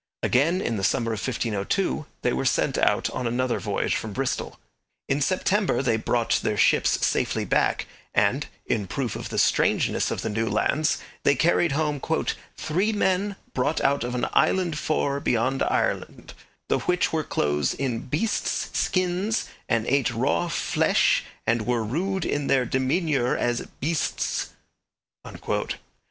Again, in the summer of 1502, they were sent out on another voyage from Bristol. In September they brought their ships safely back, and, in proof of the strangeness of the new lands they carried home 'three men brought out of an Iland forre beyond Irelond, the which were clothed in Beestes Skynnes and ate raw fflesh and were rude in their demeanure as Beestes.'